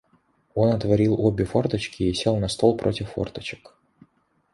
Он отворил обе форточки и сел на стол против форточек.